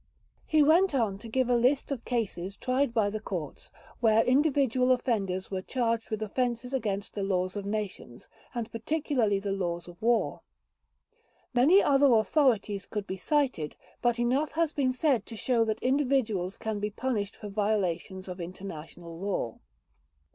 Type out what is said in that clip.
He went on to give a list of cases tried by the Courts, where individual offenders were charged with offenses against the laws of nations, and particularly the laws of war. Many other authorities could be cited, but enough has been said to show that individuals can be punished for violations of international law.